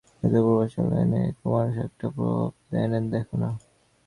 ওটা পুনর্বার চালাবার জন্যে চিরকুমার-সভায় একটা প্রস্তাব এনে দেখো-না।